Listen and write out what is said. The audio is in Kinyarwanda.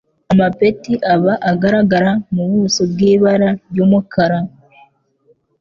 amapeti aba agaragara mu buso bw'ibara ry'umukara,